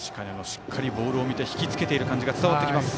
しっかりボールを見てひきつけている感じが伝わってきます。